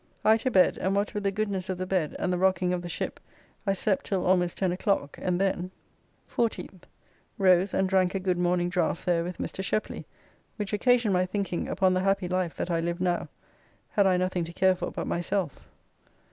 I to bed, and what with the goodness of the bed and the rocking of the ship I slept till almost ten o'clock, and then 14th. Rose and drank a good morning draught there with Mr. Sheply, which occasioned my thinking upon the happy life that I live now, had I nothing to care for but myself.